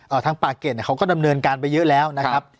ทางปากเก็ตเนี่ยเขาก็ดำเนินการไปเยอะแล้วนะครับ